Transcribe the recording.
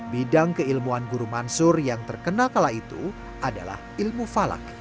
bidang keilmuan guru mansur yang terkenal kala itu adalah ilmu falak